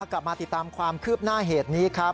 กลับมาติดตามความคืบหน้าเหตุนี้ครับ